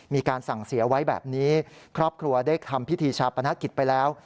มีการสั่งเสียไว้แบบนี้ครอบครัวได้ทำพิธีชาปนกิจไปแล้ว